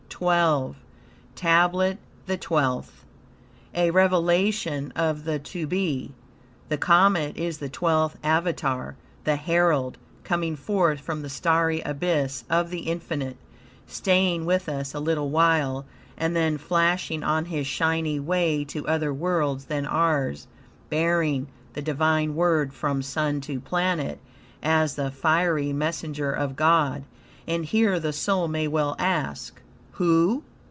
XII TABLET THE TWELFTH A REVELATION OF THE TO BE. The comet is the twelfth Avatar, the herald, coming forth from the starry abyss of the infinite, staying with us a little while, and then flashing on his shining way to other worlds than ours, bearing THE DIVINE WORD from sun to planet, as the fiery messenger of God. And here the soul may well ask: "Who?